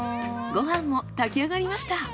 ご飯も炊きあがりました。